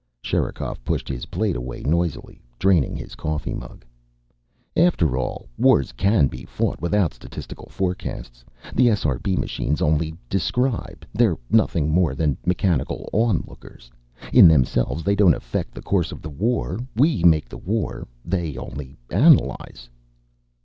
Sherikov pushed his plate away noisily, draining his coffee mug. "After all, wars can be fought without statistical forecasts. The SRB machines only describe. They're nothing more than mechanical onlookers. In themselves, they don't affect the course of the war. We make the war. They only analyze."